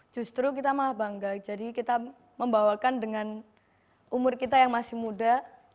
justru kita malah bangga jadi kita membawakan dengan umur kita yang masih muda